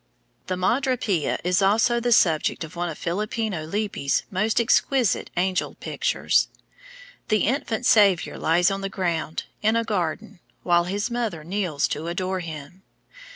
] The Madre Pia is also the subject of one of Filippino Lippi's most exquisite angel pictures. The Infant Saviour lies on the ground, in a garden, while his mother kneels to adore him.